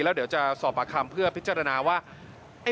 แล้วเดี๋ยวจะสอบปากคำเพื่อพิจารณาว่า